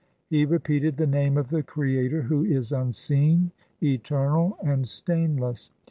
He repeated the name of the Creator who is unseen, eternal, and stainless.